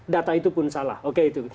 data itu pun salah oke itu